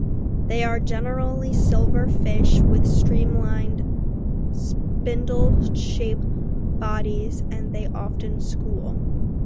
They are generally silvery fish with streamlined, spindle-shaped, bodies, and they often school.